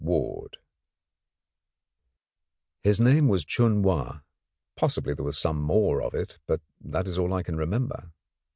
Ward His name was Chun Wa; possibly there was some more of it, but that is all I can remember.